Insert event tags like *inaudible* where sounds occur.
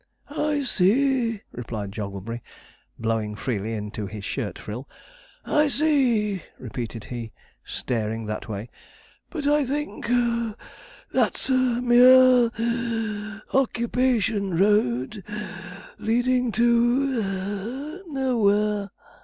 'I see,' replied Jogglebury, blowing freely into his shirt frill. 'I see,' repeated he, staring that way; 'but I think (puff) that's a mere (wheeze) occupation road, leading to *gasps* nowhere.'